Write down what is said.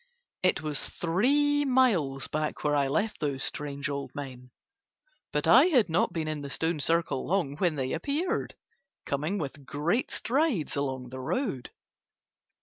It was three miles back where I left those strange old men, but I had not been in the stone circle long when they appeared, coming with great strides along the road.